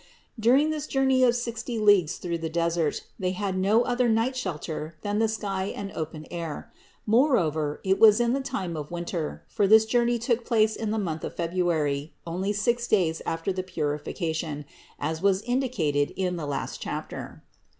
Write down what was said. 631. During all this journey of sixty leagues through the desert they had no other night shelter than the sky and open air ; moreover, it was in the time of winter, for this journey took place in the month of February, only six days after the Purification, as was indicated in the last chapter.